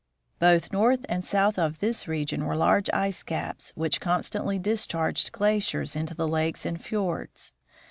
Both north and south of this region were large ice caps, which constantly discharged glaciers into the lakes and fiords.